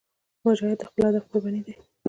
مجاهد د خپل هدف قرباني دی.